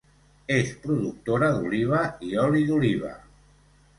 És productora d'oliva i oli d'oliva.